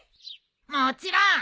もちろん！